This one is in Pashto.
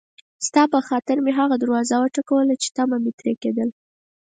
ستا په خاطر مې هغه دروازه وټکوله چې طمعه مې ترې کېدله.